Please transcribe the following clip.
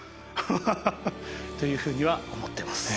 ハハハハ！というふうには思ってます。